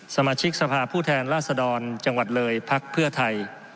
สมาชิกสภาพผู้แทนราษฎรจังหวัดเลยพักเพื่อไทย